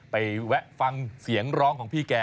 แวะฟังเสียงร้องของพี่แก